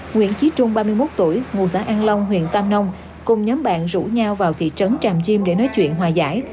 nguyễn trí trung ba mươi một tuổi ngụ xã an long huyện tam nông cùng nhóm bạn rủ nhau vào thị trấn tràm chim để nói chuyện hòa giải